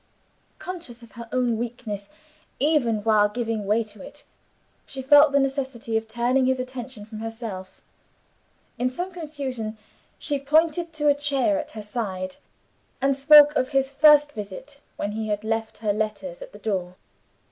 Conscious of her own weakness even while giving way to it she felt the necessity of turning his attention from herself. In some confusion, she pointed to a chair at her side, and spoke of his first visit, when he had left her letters at the door.